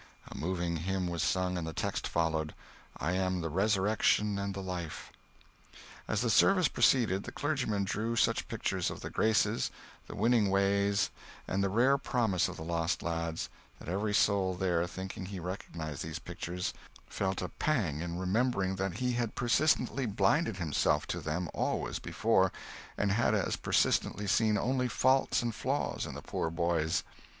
A moving hymn was sung, and the text followed: "I am the Resurrection and the Life." As the service proceeded, the clergyman drew such pictures of the graces, the winning ways, and the rare promise of the lost lads that every soul there, thinking he recognized these pictures, felt a pang in remembering that he had persistently blinded himself to them always before, and had as persistently seen only faults and flaws in the poor boys.